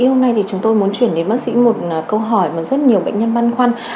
hôm nay chúng tôi muốn chuyển đến bác sĩ một câu hỏi mà rất nhiều bệnh nhân măn khoăn